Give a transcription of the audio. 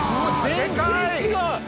全然違う！